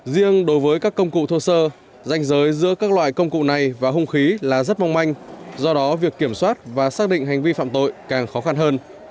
riêng đối với các công cụ thô sơ danh giới giữa các loại công cụ này và hung khí là rất mong manh do đó việc kiểm soát và xác định hành vi phạm tội càng khó khăn hơn